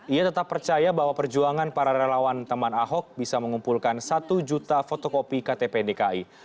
ia tetap percaya bahwa perjuangan para relawan teman ahok bisa mengumpulkan satu juta fotokopi ktp dki